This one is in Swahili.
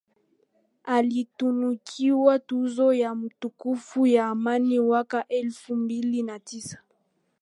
Alitunukiwa tuzo ya mtukufu ya Amani mwaka elfu mbili na tisa